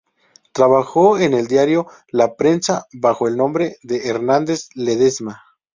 Trabajó en el diario La Prensa bajo el nombre de Hernández Ledesma.